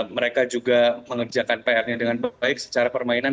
mereka juga mengerjakan pr nya dengan baik secara permainan